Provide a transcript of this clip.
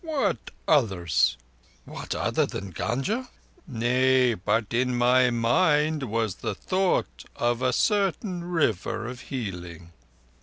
"What others?" "What other than Gunga?" "Nay, but in my mind was the thought of a certain River of healing."